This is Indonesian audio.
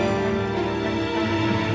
ini adalah kebenaran kita